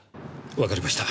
わかりました。